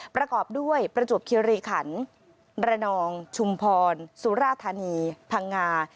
ประกอบด้วยประจวบคิริขันระนองชุมพรสุราธานีพังงา